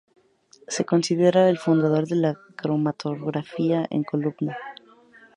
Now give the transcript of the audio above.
Se considera el fundador de la cromatografía en columna.